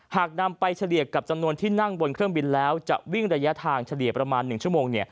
หากนำไปเฉลี่ยกับจำนวนที่นั่งบนเครื่องบินแล้วจะวิ่งระยะทางเฉลี่ยประมาณ๑ชั่วโมง